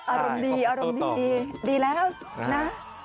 อารมณ์ดีอารมณ์ดีดีแล้วนะ